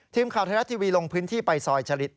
ทีมข่าวไทยรัฐทีวีลงพื้นที่ไปซอยชะลิด